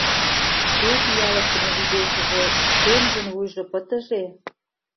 Шке пӱялыктыме вӱдешыже шкенжын вуйжо пытыже!